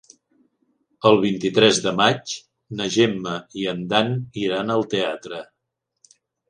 El vint-i-tres de maig na Gemma i en Dan iran al teatre.